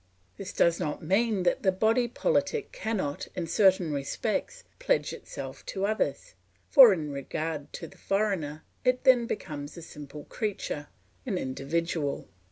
This does not mean that the body politic cannot, in certain respects, pledge itself to others; for in regard to the foreigner, it then becomes a simple creature, an individual.